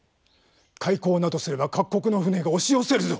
開港などすれば各国の船が押し寄せるぞ。